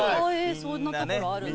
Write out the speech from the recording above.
そんなところあるんだ。